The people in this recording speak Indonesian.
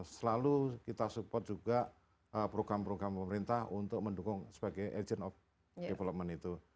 selalu kita support juga program program pemerintah untuk mendukung sebagai agent of development itu